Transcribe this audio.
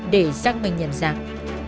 để xác minh nhận dạng